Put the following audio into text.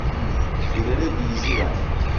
Irede diizinghane